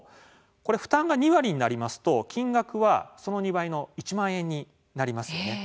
これ負担が２割になりますと金額はその２倍の１万円になります。